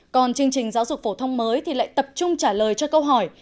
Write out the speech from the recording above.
còn chương trình giáo dục phổ thông mới thì lại tập trung trả lời cho câu hỏi